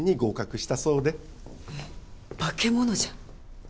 えっ化け物じゃん。